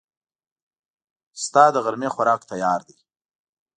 د تا دغرمې خوراک تیار ده